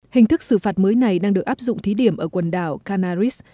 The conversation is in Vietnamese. hình thức xử phạt mới này đang được áp dụng thí điểm ở quần đảo canaris